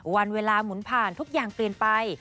วันเวลาหมุนผ่านทุกอย่างเปลี่ยนไป